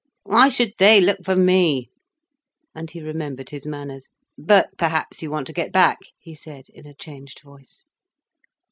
"Why should they look for me?" And then he remembered his manners. "But perhaps you want to get back," he said, in a changed voice.